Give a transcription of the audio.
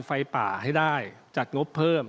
ไฟป่าให้ได้จัดงบเพิ่ม